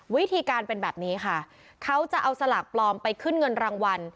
วิธีการเป็นแบบนี้ค่ะเขาจะเอาสลากปลอมไปขึ้นเงินรางวัล